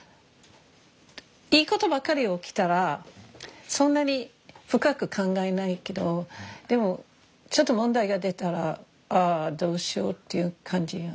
いいことばっかり起きたらそんなに深く考えないけどでもちょっと問題が出たら「ああどうしよう」っていう感じよね。